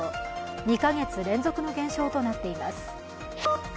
２か月連続の減少となっています。